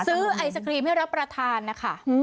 ไอศครีมให้รับประทานนะคะ